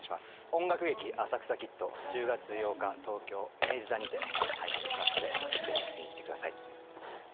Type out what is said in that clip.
音楽劇「浅草キッド」１０月８日東京明治座にて開幕しますので是非観に来てください。